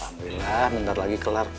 alhamdulillah ntar lagi kelar